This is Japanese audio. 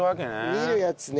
見るやつね。